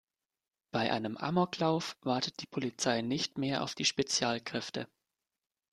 Bei einem Amoklauf wartet die Polizei nicht mehr auf die Spezialkräfte.